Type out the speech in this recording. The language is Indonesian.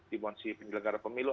dimensi penyelenggara pemilu